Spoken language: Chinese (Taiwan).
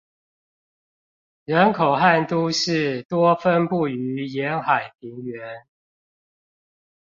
人口和都市多分布於沿海平原